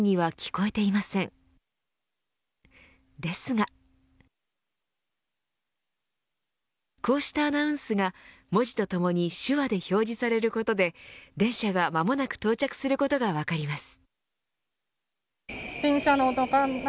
こうしたアナウンスが文字とともに手話で表示されることで電車が間もなく到着することが分かります。